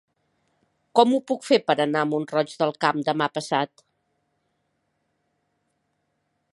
Com ho puc fer per anar a Mont-roig del Camp demà passat?